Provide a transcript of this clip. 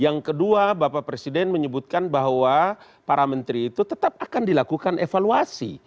yang kedua bapak presiden menyebutkan bahwa para menteri itu tetap akan dilakukan evaluasi